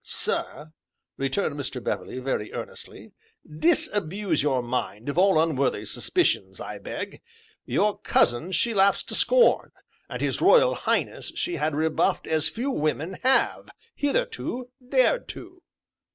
"Sir," returned Mr. Beverley very earnestly, "disabuse your mind of all unworthy suspicions, I beg; your cousin she laughs to scorn, and his Royal Highness she had rebuffed as few women have, hitherto, dared do."